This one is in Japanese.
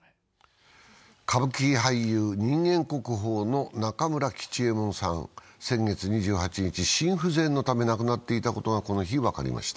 歌舞伎俳優、人間国宝の中村吉右衛門さん、先月２８日、心不全のため亡くなっていたことがこの日分かりました。